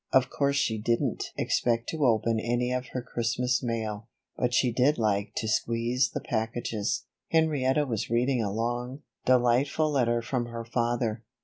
Of course she didn't expect to open any of her Christmas mail; but she did like to squeeze the packages. Henrietta was reading a long, delightful letter from her father.